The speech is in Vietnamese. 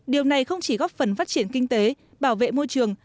điều này không chỉ góp phần phát triển kinh tế bảo vệ môi trường